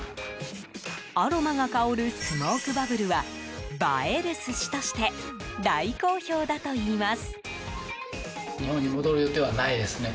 アロマが香るスモークバブルは映える寿司として大好評だといいます。